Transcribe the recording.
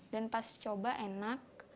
dan pas coba enak